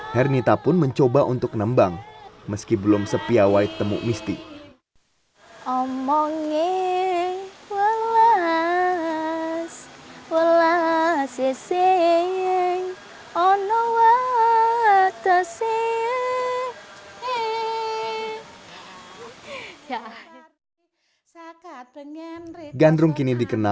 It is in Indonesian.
hernita pun mencoba untuk nembang meski belum sepiawai temuk misti omongi walau walau sisi ono